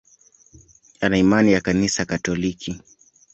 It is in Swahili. Ana imani ya Kanisa Katoliki.